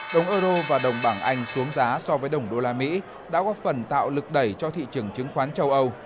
đồng euro và đồng bảng anh xuống giá so với đồng đô la mỹ đã góp phần tạo lực đẩy cho thị trường chứng khoán châu âu